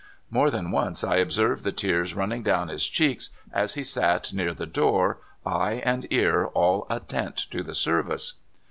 More than once I observed the tears running down his cheeks as he sat near the door, eye and ear all attent to the service.